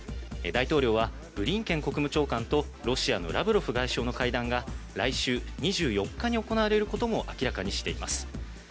大統領は、ブリンケン国務長官とロシアのラブロフ外相の会談が、来週２４日に行われることも明らかにしています。